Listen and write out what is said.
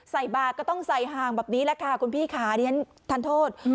ใส่บาทก็ต้องใส่ห่างแบบนี้แหละค่ะคุณพี่ค่ะดิฉันทันโทษ